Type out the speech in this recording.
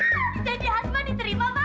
ah jadi asma diterima pak